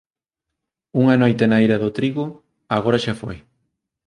Unha noite na eira do trigo, agora xa foi